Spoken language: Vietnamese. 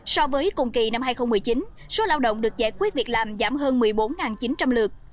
so với cùng kỳ năm hai nghìn một mươi chín số lao động được giải quyết việc làm giảm hơn một mươi bốn chín trăm linh lượt